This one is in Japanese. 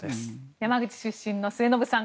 山口出身の末延さん